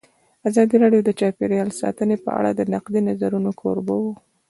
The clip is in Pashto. ازادي راډیو د چاپیریال ساتنه په اړه د نقدي نظرونو کوربه وه.